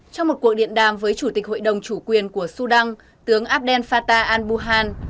trong một cuộc điện đàm với chủ tịch hội đồng chủ quyền của sudan tướng abdel fatah al buhan